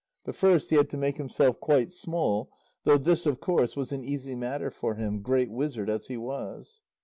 But first he had to make himself quite small, though this of course was an easy matter for him, great wizard as he was.